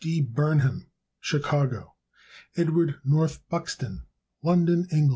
D. Burnham, Chicago, Ill. Edw. North Buxton, London, Eng.